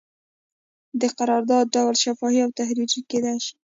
د قرارداد ډول شفاهي او تحریري کیدی شي.